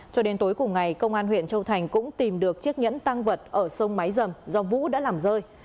cho đến tối cùng ngày công an huyện châu thành cũng tìm được chiếc nhẫn tăng vật ở sông máy dầm do vũ đã làm rơi